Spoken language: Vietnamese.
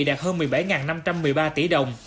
đạt hơn một mươi bảy năm trăm một mươi ba tỷ đồng